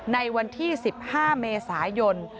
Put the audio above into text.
ในวันที่๑๕เมษายน